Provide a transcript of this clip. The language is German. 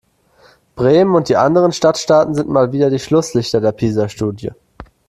Bremen und die anderen Stadtstaaten sind mal wieder die Schlusslichter der PISA-Studie.